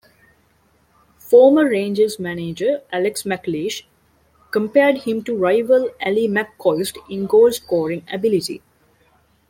Former Rangers manager Alex McLeish compared him to rival Ally McCoist in goalscoring ability.